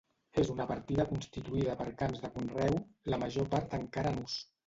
És una partida constituïda per camps de conreu, la major part encara en ús.